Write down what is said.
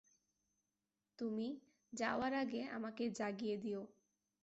তুমি যাওয়ার আগে আমাকে জাগিয়ে দিও।